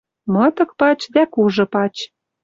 Мытык пач дӓ кужы пач